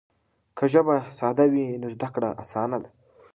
که ژبه ساده وي نو زده کړه اسانه ده.